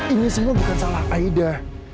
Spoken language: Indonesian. ini semua bukan salah kaidah